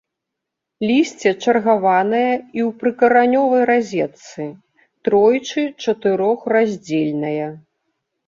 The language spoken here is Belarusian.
Лісце чаргаванае і ў прыкаранёвай разетцы, тройчы-чатырохраздзельнае.